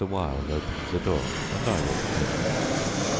Wilde opened the door and I walked in.